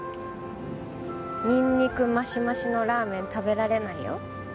ニンニクマシマシのラーメン食べられないよ。